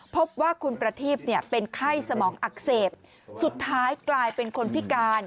พบว่าคุณประทีพเป็นไข้สมองอักเสบสุดท้ายกลายเป็นคนพิการ